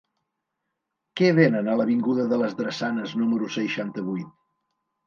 Què venen a l'avinguda de les Drassanes número seixanta-vuit?